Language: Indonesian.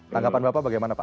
tanggapan bapak bagaimana pak